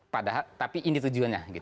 padahal tapi ini tujuannya